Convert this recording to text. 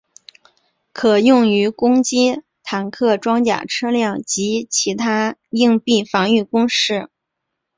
可用于攻击坦克装甲车辆及其它硬壁防御工事。